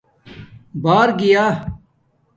بݳر گیݳ